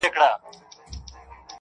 o زه هم د هغوی اولاد يم.